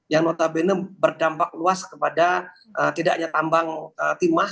yang notabene berdampak luas kepada tidaknya tambang timah